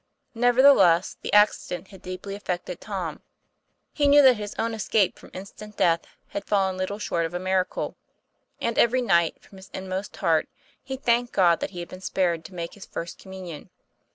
Nevertheless, the accident had deeply affected Tom. He knew that his own escape from instant death had fallen little short of a miracle; and every night from his inmost heart he thanked God that he had been spared to make his First Communion.